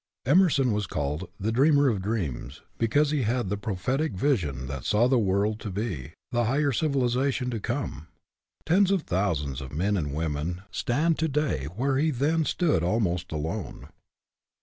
Emerson was called " the dreamer of dreams," because he had the prophetic vision that saw the world to be, the higher civilization to come. Tens of thousands of men and women stand to day where he then stood almost alone.